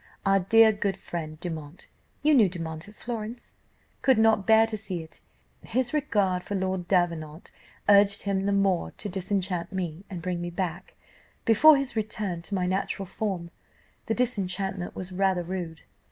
Our dear good friend Dumont (you knew Dumont at Florence?) could not bear to see it; his regard for Lord Davenant urged him the more to disenchant me, and bring me back, before his return, to my natural form. The disenchantment was rather rude.